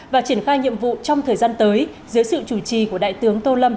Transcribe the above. và triển khai nhiệm vụ trong thời gian tới dưới sự chủ trì của đại tướng tô lâm